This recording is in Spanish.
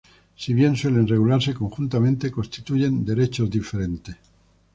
Si bien suelen regularse conjuntamente, constituyen derechos diferentes.